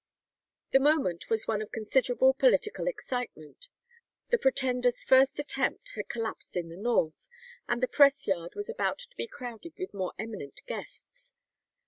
The moment was one of considerable political excitement. The Pretender's first attempt had collapsed in the north, and the press yard was about to be crowded with more eminent guests.